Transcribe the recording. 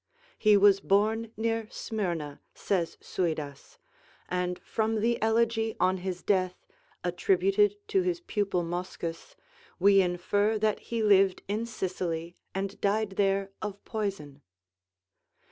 He was born near Smyrna, says Suidas; and from the elegy on his death, attributed to his pupil Moschus, we infer that he lived in Sicily and died there of poison.